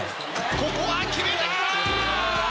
ここは決めた！